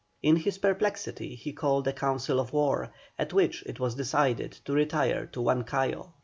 In his perplexity he called a council of war, at which it was decided to retire to Huancayo.